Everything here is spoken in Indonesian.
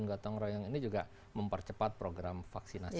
jadi juga gotong royong ini juga mempercepat program vaksinasi